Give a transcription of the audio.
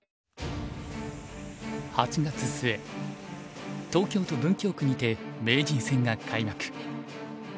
８月末東京都文京区にて名人戦が開幕。